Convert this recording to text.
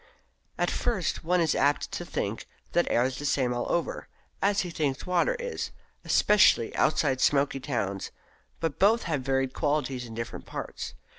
At first one is apt to think that air is the same all over, as he thinks water is especially outside smoky towns; but both have varied qualities in different parts.